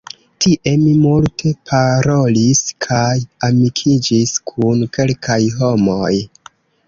Tie mi multe parolis kaj amikiĝis kun kelkaj homoj.